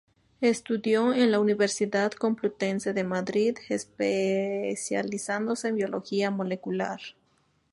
Estudió en la Universidad Complutense de Madrid, especializándose en biología molecular.